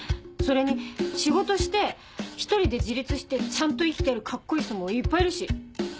それに仕事して１人で自立してちゃんと生きてるカッコいい人もいっぱいいるし。